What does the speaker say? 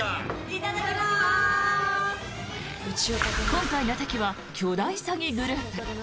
今回の敵は巨大詐欺グループ。